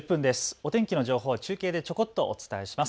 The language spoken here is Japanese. お天気の情報を中継でちょこっとお伝えします。